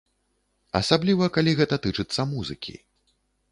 Асабліва, калі гэта тычыцца музыкі.